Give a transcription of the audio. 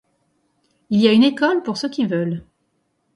Il y a une école pour ceux qui veulent.